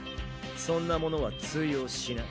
そんなものは通用しない。